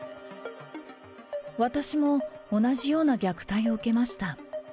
私も同じような虐待を受けました。